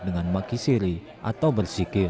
dengan makisiri atau bersikir